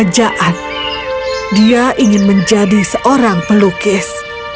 kerajaan dia ingin menjadi seorang pelukis